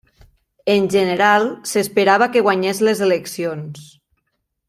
En general, s'esperava que guanyés les eleccions.